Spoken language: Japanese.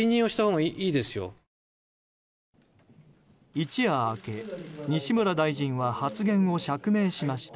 一夜明け、西村大臣は発言を釈明しました。